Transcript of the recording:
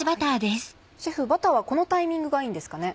シェフバターはこのタイミングがいいんですかね？